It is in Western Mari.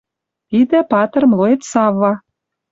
Тидӹ патыр млоец Савва